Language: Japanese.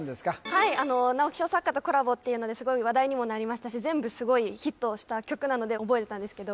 はい直木賞作家とコラボっていうのですごい話題にもなりましたし全部すごいヒットした曲なので覚えてたんですけど